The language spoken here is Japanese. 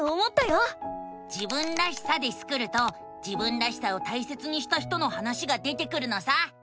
「自分らしさ」でスクると自分らしさを大切にした人の話が出てくるのさ！